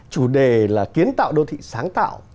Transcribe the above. chủ đề kiến tạo đô thị sáng tạo